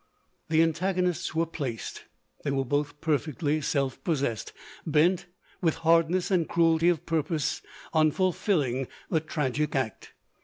1 The antagonists were placed : they were both perfectly self possessed — bent, with hardness and cruelty of purpose, on fulfilling the tragic act.